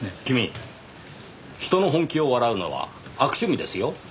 君人の本気を笑うのは悪趣味ですよ。